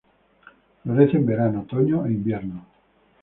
Florece en verano, otoño e invierno.